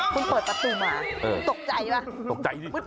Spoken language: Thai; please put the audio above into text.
คุณเปิดประตูมาตกใจป่ะ